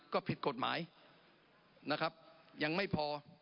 ก็ผิดกฎหมายนะครับยังไม่พอ